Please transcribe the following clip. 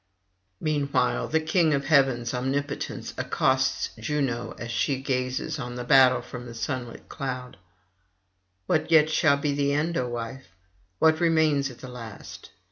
Meanwhile the King of Heaven's omnipotence accosts Juno as she gazes on the battle from a sunlit cloud. 'What yet shall be the end, O wife? what remains at the last?